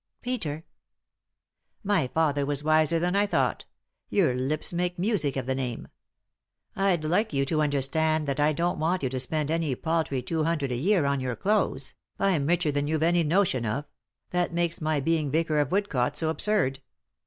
" Peter." " My father was wiser than I thought ; your lips make music of the name. I'd like you to understand that I don't want you to spend any paltry two hundred a year on your clothes ; I'm richer than you've any notion of; that makes my being vicar of Woodcote so absurd.